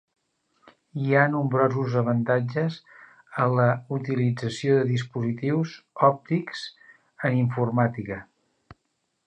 Hi ha nombrosos avantatges en la utilització de dispositius òptics en informàtica.